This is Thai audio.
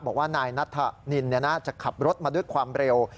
บอกว่านายนัทนินจะขับรถมาด้วยความเร็ว